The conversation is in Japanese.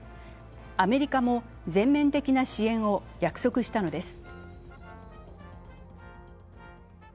アメリカも全面的な支援を約束したのです。